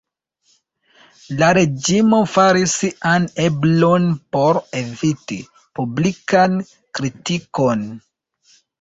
La reĝimo faris sian eblon por eviti publikan kritikon.